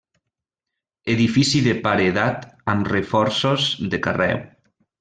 Edifici de paredat amb reforços de carreu.